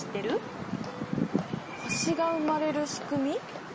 星が生まれる仕組み？